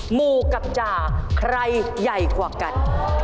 หมู่กับจ่าใครใหญ่กว่ากัน